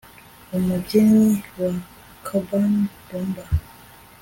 umubyinnyi wa cuban rumba